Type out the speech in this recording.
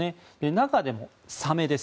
中でもサメです。